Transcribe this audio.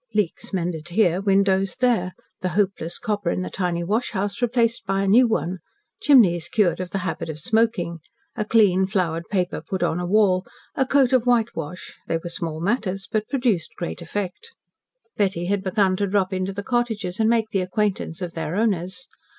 Leaks mended here, windows there, the hopeless copper in the tiny washhouse replaced by a new one, chimneys cured of the habit of smoking, a clean, flowered paper put on a wall, a coat of whitewash they were small matters, but produced great effect. Betty had begun to drop into the cottages, and make the acquaintance of their owners.